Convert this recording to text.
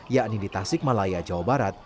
yakni di tasik malaya jawa barat